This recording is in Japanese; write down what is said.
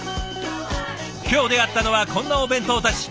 今日出会ったのはこんなお弁当たち。